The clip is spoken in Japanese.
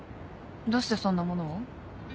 どうしてそんなものを？